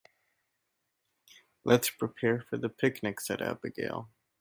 "Let's prepare for the picnic!", said Abigail.